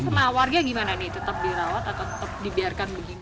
tetap dirawat atau tetap dibiarkan begini